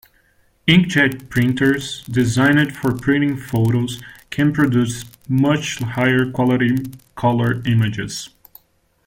Inkjet printers designed for printing photos can produce much higher quality color images.